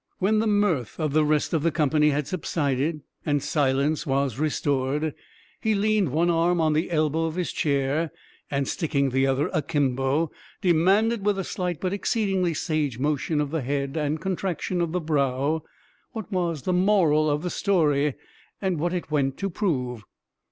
When the mirth of the rest of the company had subsided, and silence was restored, he leaned one arm on the elbow of his chair, and sticking the other a kimbo, demanded, with a slight but exceedingly sage motion of the head and contraction of the brow, what was the moral of the story, and what it went to prove.